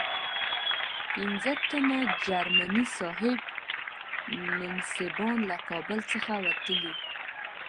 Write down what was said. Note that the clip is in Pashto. پنځه تنه جرمني صاحب منصبان له کابل څخه وتلي.